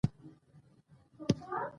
قانون د اداري کړنو څارنه اسانه کوي.